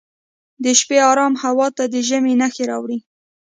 د شپې ارام هوا د ژمي نښې راوړي.